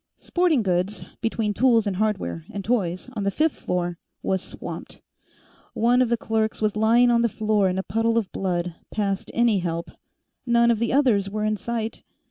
Sporting Goods, between Tools & Hardware and Toys, on the fifth floor, was swamped. One of the clerks was lying on the floor in a puddle of blood, past any help; none of the others were in sight.